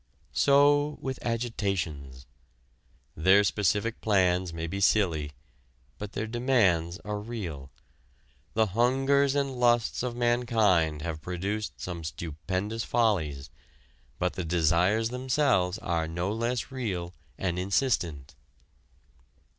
So with agitations. Their specific plans may be silly, but their demands are real. The hungers and lusts of mankind have produced some stupendous follies, but the desires themselves are no less real and insistent.